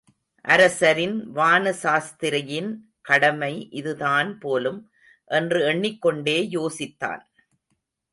அரசரின் வானசாஸ்திரியின் கடமை இதுதான் போலும் என்று எண்ணிக்கொண்டே, யோசித்தான்.